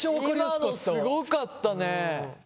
今のすごかったね。